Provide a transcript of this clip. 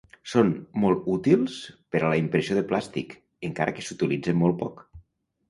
Són molt útils per a la impressió de plàstic, encara que s'utilitzen molt poc.